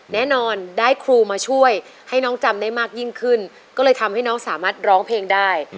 แน่นอนได้ครูมาช่วยให้น้องจำได้มากยิ่งขึ้นก็เลยทำให้น้องสามารถร้องเพลงได้